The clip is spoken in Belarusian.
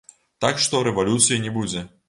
Так што рэвалюцыі не будзе.